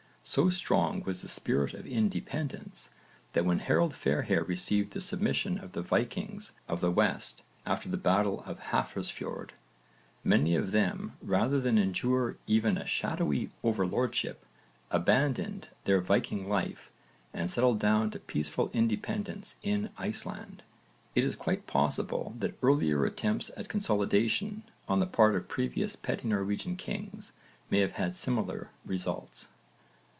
So strong was the spirit of independence that when Harold Fairhair received the submission of the Vikings of the West after the battle of Hafrsfjord, many of them rather than endure even a shadowy overlordship abandoned their Viking life and settled down to peaceful independence in Iceland. It is quite possible that earlier attempts at consolidation on the part of previous petty Norwegian kings may have had similar results.